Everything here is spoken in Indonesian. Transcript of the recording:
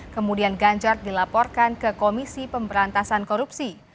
kemudian ganjar dilaporkan ke komisi pemberantasan korupsi